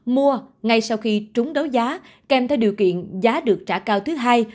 mua ngay sau khi trúng đấu giá kèm theo điều kiện giá được trả cao thứ hai